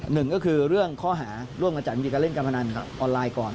หนึ่งก็คือเรื่องข้อหาร่วมกันจัดมีการเล่นการพนันออนไลน์ก่อน